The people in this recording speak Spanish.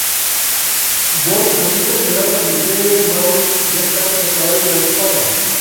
Bond anuncia que el arma del Dr. Moreau ya está preparada, y la dispara.